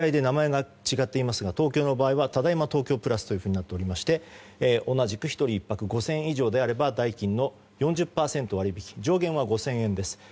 一方、全国旅行支援は各自治体で名前が違っていますが東京の場合ただいま東京プラスとなっていまして同じく１人１泊５０００円以上であれば上限は５０００円です。